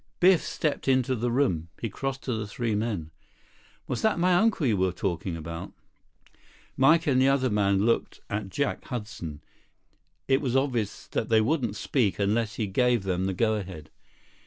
Biff stepped into the room. He crossed to the three men. "Was that my uncle you were talking about?" Mike and the other man looked at Jack Hudson. It was obvious that they wouldn't speak unless he gave them the go ahead.